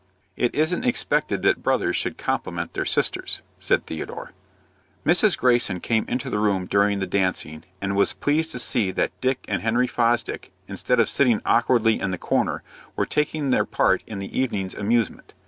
"It isn't expected that brothers should compliment their sisters," said Theodore. Mrs. Greyson came into the room during the dancing, and was pleased to see that Dick and Henry Fosdick, instead of sitting awkwardly in the corner, were taking their part in the evening's amusement.